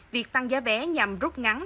việc tăng giá vé nhằm rút ngắn thời gian